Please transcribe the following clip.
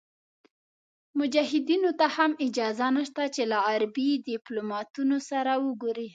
مجاهدینو ته هم اجازه نشته چې له غربي دیپلوماتانو سره وګوري.